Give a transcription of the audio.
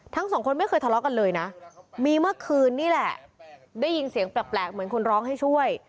ทั้งสองคนไม่เคยทะเลาะกันเลยนะมีเมื่อคืนนี่แหละได้ยินเสียงแปลกเหมือนคนร้องให้ช่วย